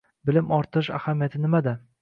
bilim orttirish ahamiyati nimada?